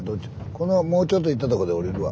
このもうちょっと行ったとこで降りるわ。